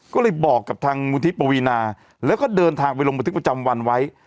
ก็เลยบอกกับทางมูลที่ปวีนาแล้วก็เดินทางไปลงบันทึกประจำวันไว้